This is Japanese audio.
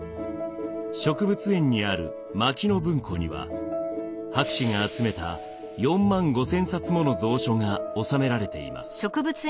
植物園にある牧野文庫には博士が集めた４万５，０００冊もの蔵書が収められています。